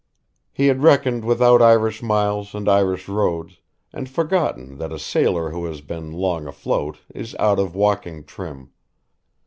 He had reckoned without Irish miles and Irish roads, and forgotten that a sailor who has been long afloat is out of walking trim.